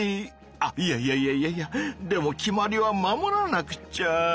あいやいやいやいやいやでも決まりは守らなくちゃ！